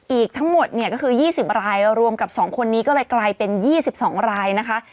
อีกทั้งหมดเนี่ยก็คือ๒๐รายรวมกับ๒คนนี้ก็เลยกลายเป็น๒๒รายนะคะ